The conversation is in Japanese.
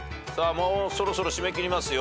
もうそろそろ締め切りますよ。